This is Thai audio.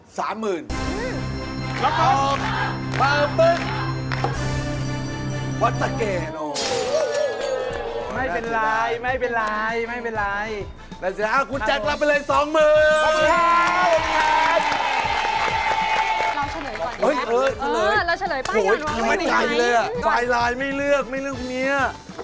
เราเฉลยก่อนดีกว่าเออเราเฉลยป้ายอย่างว่าไม่ไกลเลยอะไฟล์ไลน์ไม่เลือกไม่เลือกพี่เนี้ย